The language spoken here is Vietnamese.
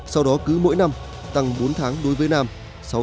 sau đó cứ mỗi năm tăng bốn tháng đối với nam sáu tháng đối với nữ